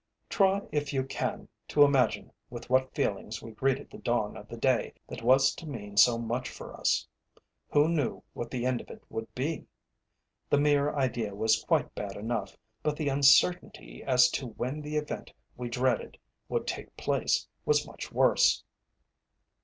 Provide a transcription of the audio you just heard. Try, if you can, to imagine with what feelings we greeted the dawn of the day that was to mean so much for us. Who knew what the end of it would be? The mere idea was quite bad enough, but the uncertainty as to when the event we dreaded would take place was much worse.